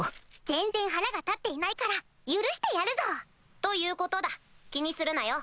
全然腹が立っていないから許してやるぞ！ということだ気にするなよ。